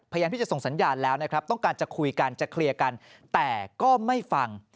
พยายามที่จะส่งสัญญาณแล้วนะครับต้องการจะคุยกันจะเคลียร์กันแต่ก็ไม่ฟัง